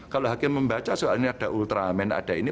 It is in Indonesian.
kalau hakim membaca soalnya ada ultraman ada ini